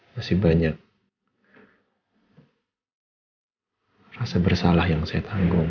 masih banyak rasa bersalah yang saya tanggung